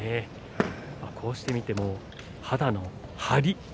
こうして見ても肌の張り。